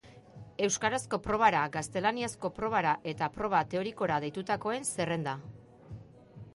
Euskarazko probara, gaztelaniazko probara eta proba teorikora deitutakoen zerrenda.